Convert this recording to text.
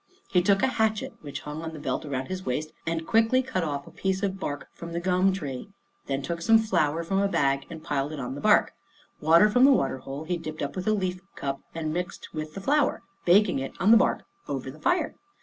He took a hatchet which hung on the belt around his waist and quickly cut off a piece of bark from the gum tree, then took some flour from a bag and piled it on the bark. Water from the water hole he dipped up with a leaf cup and mixed with the flour, baking it on the bark over the fire.